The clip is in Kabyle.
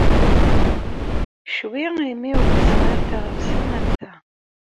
Ccwi imi ur d-sɣiɣ taɣawsa am ta.